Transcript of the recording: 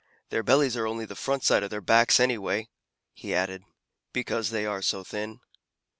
Their bellies are only the front side of their backs, anyway," he added, "because they are so thin."